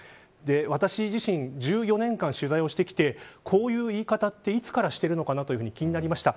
私自身、１４年間取材をしてきてこういう言い方は、いつからしてるのかなと気になりました。